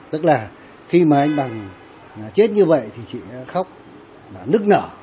tức là khi mà anh bằng chết như vậy thì chị khóc nức nở